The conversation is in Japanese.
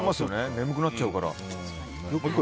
眠くなっちゃうから。